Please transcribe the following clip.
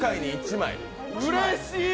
うれしいー！！